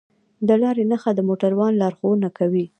د لارې نښه د موټروان لارښوونه کوي.